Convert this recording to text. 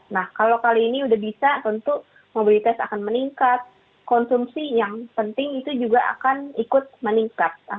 nah kalau kali ini sudah bisa tentu mobilitas akan meningkat konsumsi yang penting itu juga akan ikut meningkat